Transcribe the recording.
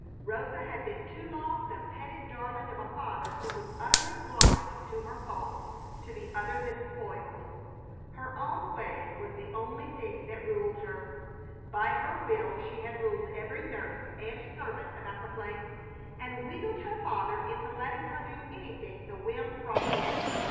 Rosa had been too long the petted darling of a father who was utterly blind to her faults to be other than spoiled. Her own way was the one thing that ruled her. By her will she had ruled every nurse and servant about the place, and wheedled her father into letting her do anything the whim prompted.